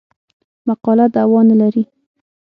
مقاله دعوا نه لري.